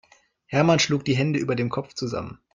Hermann schlug die Hände über dem Kopf zusammen.